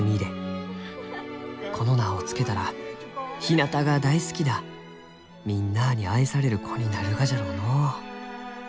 この名を付けたらひなたが大好きなみんなあに愛される子になるがじゃろうのう」。